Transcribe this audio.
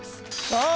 さあ